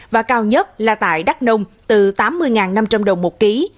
và cao nhất là tại đắk nông từ tám mươi năm trăm linh đồng một ký